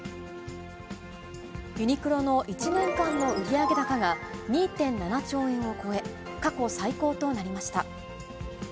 ユニクロの１年間の売上高が２．７兆円を超え、過去最高となりました。